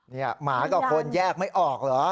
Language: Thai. นี่หมากับคนแยกไม่ออกเหรอ